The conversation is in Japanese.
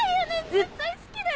絶対好きだよね。